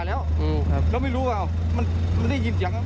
แล้วไม่รู้ว่ามันได้ยินเสียง